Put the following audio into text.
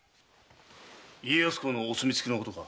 家康公のお墨付きのことか？